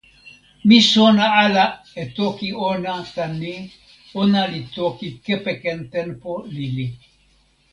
mi sona ala e toki ona tan ni: ona li toki kepeken tenpo lili.